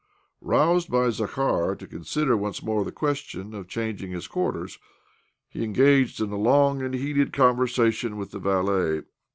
Roused by Zakhar to consider once more the question of changing his quarters, he engaged in a long and heated conversa tion with the valet